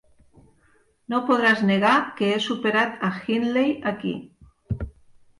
No podràs negar que he superat a Hindley aquí.